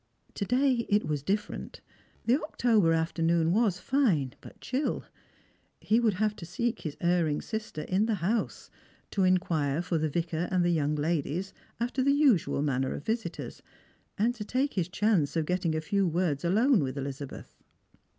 To day it was different. The October afternoon was fine, but chill. He would have to seek his erring sister in the house, to inquire for the Vicar and the young ladies alter the usual manner of visitors, and to take his chance of getting a few words alone with Elizabeth.